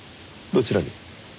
どちらに？